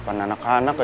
kok gak enak